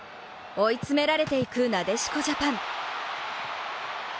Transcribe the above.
追い詰められていくなでしこジャパン。